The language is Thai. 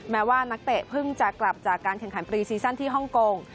แม้ว่านักเตะเพิ่งจะกลับจากการแข่งขันปรีซีซั่นที่ฮ่องกง